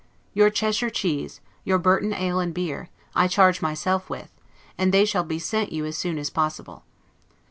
Your Cheshire cheese, your Burton ale and beer, I charge myself with, and they shall be sent you as soon as possible.